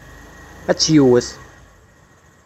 Ad tt-yewwet.